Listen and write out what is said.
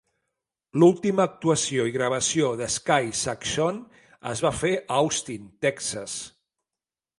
L'última actuació i gravació d'Sky Saxon es va fer a Austin (Texas).